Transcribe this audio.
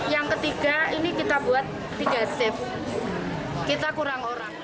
yang ketiga ini kita buat tiga shift kita kurang orang